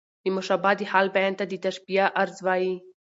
د مشبه د حال بیان ته د تشبېه غرض وايي.